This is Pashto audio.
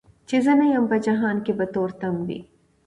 چي زه نه یم په جهان کي به تور تم وي